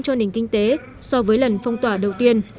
cho nền kinh tế so với lần phong tỏa đầu tiên